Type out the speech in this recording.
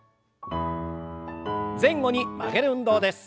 前後に曲げる運動です。